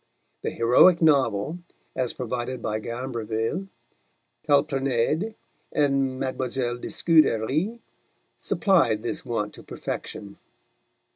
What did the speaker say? The heroic novel, as provided by Gombreville, Calprenède, and Mlle. de Scudéry supplied this want to perfection.